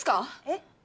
えっ？